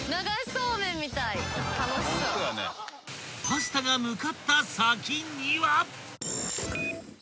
［パスタが向かった先には］